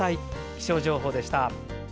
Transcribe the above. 気象情報でした。